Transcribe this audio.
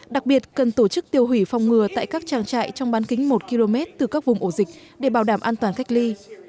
đặc biệt cần tổ chức tiêu hủy phòng ngừa tại các trang trại trong bán kính một km từ các vùng ổ dịch để bảo đảm an toàn cách ly